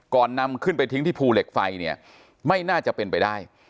นำขึ้นไปทิ้งที่ภูเหล็กไฟเนี่ยไม่น่าจะเป็นไปได้